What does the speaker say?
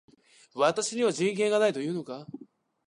私には人権がないと言うのか